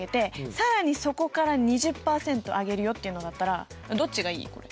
そこから２０％上げるよっていうのだったらどっちがいい？これ。